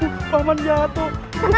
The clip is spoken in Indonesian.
oh paman jatuh